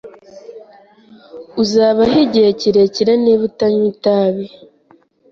Uzabaho igihe kirekire niba utanywa itabi.